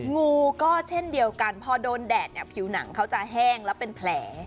งูก็เช่นเดียวกันพอโดนแดดเนี่ยผิวหนังเขาจะแห้งแล้วเป็นแผล